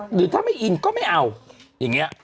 หรือถ้าไม่อินก็ไม่เอาอย่างนี้